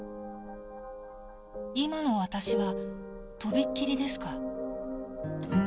今の私はとびっきりですか？